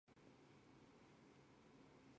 郑维健博士投资有限公司主席兼董事总经理。